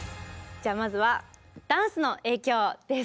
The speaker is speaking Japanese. じゃあまずは「ダンスの影響」です。